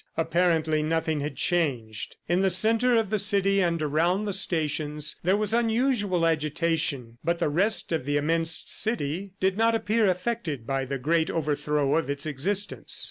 Apparently nothing had changed. In the centre of the city and around the stations, there was unusual agitation, but the rest of the immense city did not appear affected by the great overthrow of its existence.